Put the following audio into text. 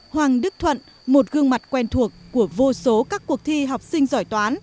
hoàng đức thuận một gương mặt quen thuộc của vô số các cuộc thi học sinh giỏi toán